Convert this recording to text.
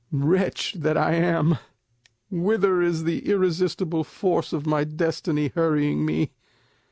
"Wretch that I am! Whither is the irresistible force of my destiny hurrying me?